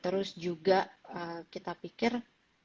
terus juga kita berpikir oh yaudah ini sudah kelihatan ribu